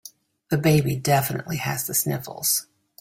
The baby definitely has the sniffles.